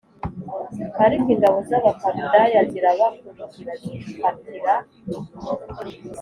Ariko ingabo z Abakaludaya zirabakurikira zifatira